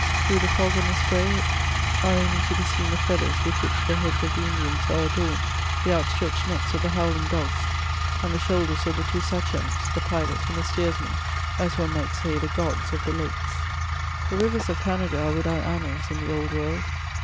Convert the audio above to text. Through the fog and the spray are only to be seen the feathers with which the heads of the Indians are adorned, the outstretched necks of the howling dogs, and the shoulders of the 284 . MEMOIBS OF two Sachems, the pilot and the steersman ;— as one might say, the gods of the lakes. The rivers of Canada are without annals in 3ie Old World.